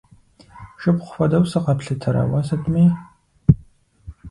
Шыпхъу хуэдэу сыкъэплъытэрэ уэ сытми?